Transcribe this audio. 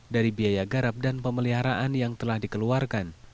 dari biaya garap dan pemeliharaan yang telah dikeluarkan